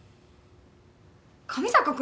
上坂君